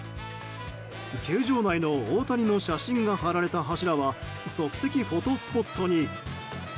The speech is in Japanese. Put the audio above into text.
球場内の大谷の写真が貼られた柱は即席フォトスポットに。